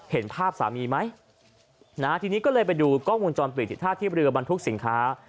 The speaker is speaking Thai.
เห็นภาพสามีไหมนะฮะทีนี้ก็เลยไปดูกล้องวงจรปิดที่ท่าเทียบเรือบรรทุกสินค้า